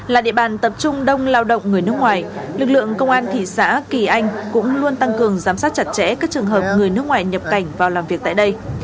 là địa bàn tập trung đông lao động người nước ngoài lực lượng công an thị xã kỳ anh cũng luôn tăng cường giám sát chặt chẽ các trường hợp người nước ngoài nhập cảnh vào làm việc tại đây